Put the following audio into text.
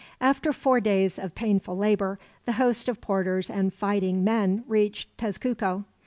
After four days of painful labor, the host of porters and fighting men reached Tezcuco.